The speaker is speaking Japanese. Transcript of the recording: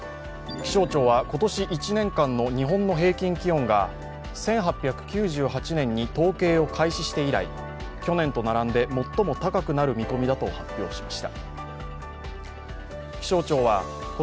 気象庁は今年１年間の日本の平均気温が１８９８年に統計を開始して以来、去年と並んで最も高くなる見込みだと発表しました。